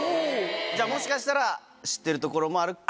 じゃあもしかしたら知ってる所もあるかも。